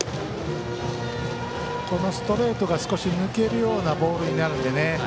ストレートが抜けるようなボールになるんでね。